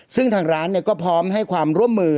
ซึ่งทางร้านก็พร้อมให้ความร่วมมือ